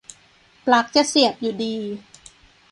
ปลั๊กจะเสียบอยู่ดี